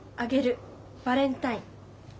バレンタイン。